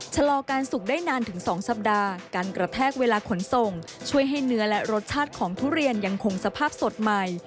ชะลอการสุกได้นานถึง๒สัปดาห์การกระแทกเวลาขนส่งช่วยให้เนื้อและรสชาติของทุเรียนยังคงสภาพสดใหม่